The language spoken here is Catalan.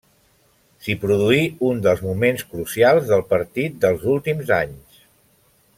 S'hi produí un dels moments crucials del partit dels últims anys.